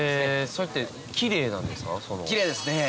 それってキレイなんですか？